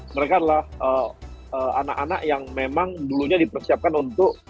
mereka adalah anak anak yang memang dulunya dipersiapkan untuk